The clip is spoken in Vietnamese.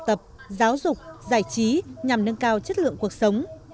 tập giáo dục giải trí nhằm nâng cao chất lượng cuộc sống